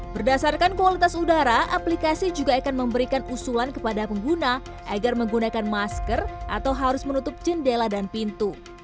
berdasarkan kualitas udara aplikasi juga akan memberikan usulan kepada pengguna agar menggunakan masker atau harus menutup jendela dan pintu